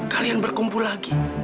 kalian berkumpul lagi